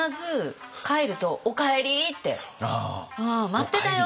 「待ってたよ！」